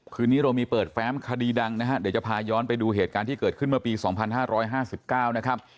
คืนนี้เรามีเปิดแฟมคดีดังนะฮะเดี๋ยวจะพาย้อนไปดูเหตุการณ์ที่เกิดขึ้นมาปีสองพันห้าร้อยห้าสิบเก้านะครับ